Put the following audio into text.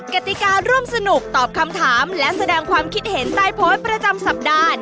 กติการร่วมสนุกตอบคำถามและแสดงความคิดเห็นใต้โพสต์ประจำสัปดาห์